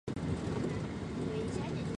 当时英属缅甸是英属印度之下的一省。